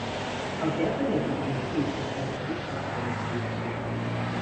El teatre llatí primitiu es caracteritza per la improvisació.